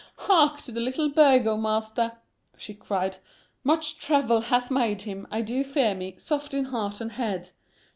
"Hark to the little burgomaster," (1) she cried; "much travel hath made him, I do fear me, soft in heart and head.